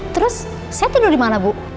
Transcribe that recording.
terus saya tidur dimana bu